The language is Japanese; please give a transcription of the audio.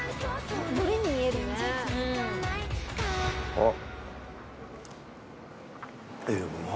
あっ。